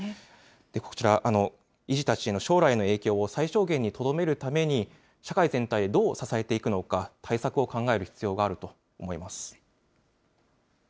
こちら、遺児たちの将来への影響を最小限にとどめるために、社会全体でどう支えていくのか、対策を考えていく必要があると思います。